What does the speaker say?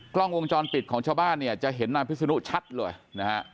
กล้องวงจรปิดของชาวบ้านเนี่ยจะเห็นนายพิศนุชัดเลยนะฮะ